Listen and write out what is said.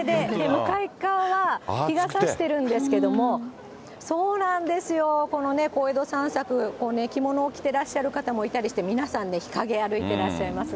向かい側は日がさしてるんですけども、そうなんですよ、この小江戸散策、この着物を着てらっしゃい方もいらっしゃったりして、皆さんね、日陰歩いてらっしゃいますね。